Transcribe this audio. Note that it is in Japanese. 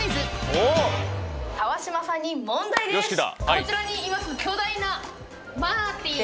こちらにいます巨大なマナティ。